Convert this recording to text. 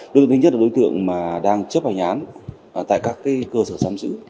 đối tượng thứ nhất là đối tượng đang chấp hành án tại các cơ sở giám sử